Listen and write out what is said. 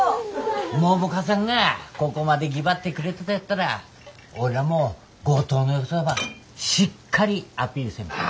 百花さんがここまでぎばってくれたとやったら俺らも五島のよさばしっかりアピールせんばね！